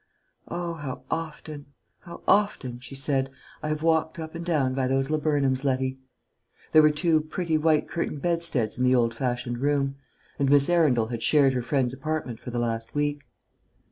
"Oh, how often, how often," she said, "I have walked up and down by those laburnums, Letty!" There were two pretty white curtained bedsteads in the old fashioned room, and Miss Arundel had shared her friend's apartment for the last week.